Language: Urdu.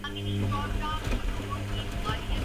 افغانستان کرکٹ بورڈ کے چیئرمین عہدے سے مستعفی